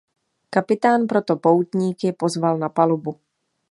Kapitán proto poutníky pozval na palubu.